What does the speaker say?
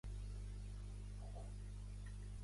Els gats de la jungla són animals solitaris a la natura.